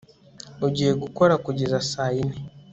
ugiye gukora kugeza saa yine